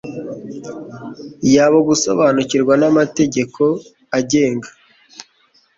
yabo gusobanukirwa namategeko agenga